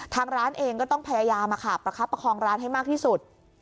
ทางร้านเองก็ต้องพยายามประคับประคองร้านให้มากที่สุด